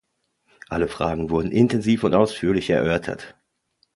Alle Fragen wurden intensiv und ausführlich erörtert.